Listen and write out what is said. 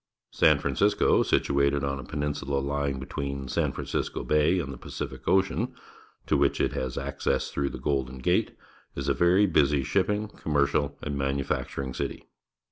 San Francisco, situated on a peninsula Ijang between San Francisco Bay and the Pacific Ocean, to wlrich it has access through the Golden Gate, is a very busy shipping, com mercial, and manufacturing city.